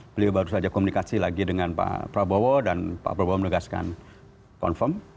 beliau baru saja komunikasi lagi dengan pak prabowo dan pak prabowo menegaskan confirm